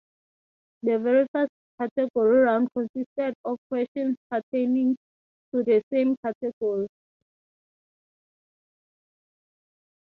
The "very fast" category round consisted of questions pertaining to the same category.